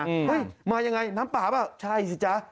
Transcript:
เฮ้ยมายังไงน้ำเปล่าใช่สิจ๊ะ